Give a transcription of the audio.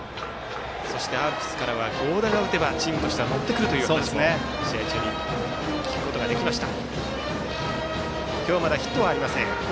そして、アルプスからは合田が打てばチームとしては乗ってくるという話を試合中に聞くことができました。